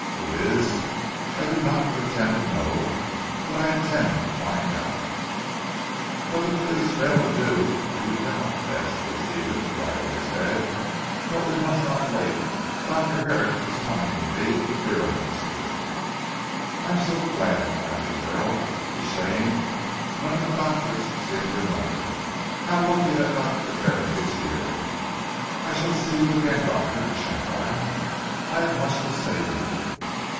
Who is, I do not pretend to know; but I intend to find out." "What the police fail to do, you cannot Bess," said Stephen wagging his head, "but we must not wait. Dr. Herrick is coming with me to Beorminster." "I'm so glad," cried the girl. "It is a shame none of the doctors seeing your mother! How lucky that Dr. Herrick is here. I shall see you again doctor shan't I! I have much to say to you."